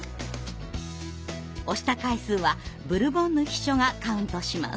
押した回数はブルボンヌ秘書がカウントします。